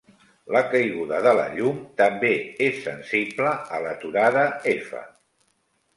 La caiguda de la llum també és sensible a l'aturada-f.